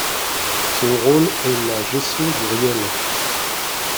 Son rôle est la gestion du Riel.